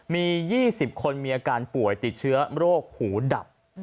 มี๒๐คนมีอาการป่วยติดเชื้อโรคหูดับ